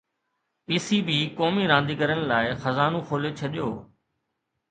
P C B قومي رانديگرن لاءِ خزانو کولي ڇڏيو